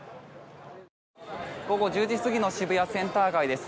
午後１０時過ぎの渋谷センター街です。